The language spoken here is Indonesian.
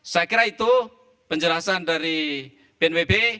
saya kira itu penjelasan dari bnpb